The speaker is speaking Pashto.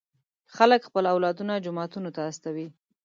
خلک خپل اولادونه جوماتونو ته استوي.